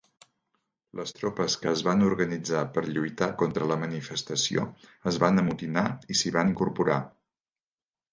Les tropes que es van organitzar per lluitar contra la manifestació es van amotinar i s'hi van incorporar.